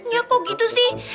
ya kok gitu sih